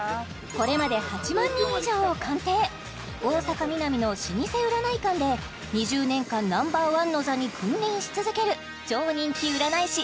これまで８万人以上を鑑定大阪ミナミの老舗占い館で２０年間Ｎｏ．１の座に君臨し続ける超人気占い師